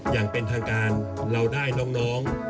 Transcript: อย่างเป็นทางการเราได้น้อง